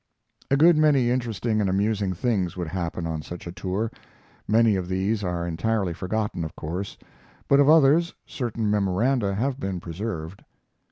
A good many interesting and amusing things would happen on such a tour. Many of these are entirely forgotten, of course, but of others certain memoranda have been preserved.